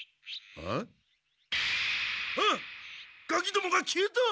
あっガキどもが消えた！